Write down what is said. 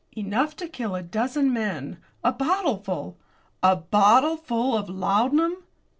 "Enough to kill a dozen men. A bottleful." "A bottleful of laudanum!"